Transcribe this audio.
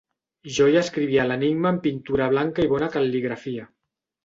Jo hi escrivia l'enigma amb pintura blanca i bona cal·ligrafia.